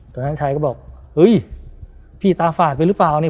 ตอนนั้นชายก็บอกเฮ้ยพี่ตาฝาดไปหรือเปล่าเนี่ย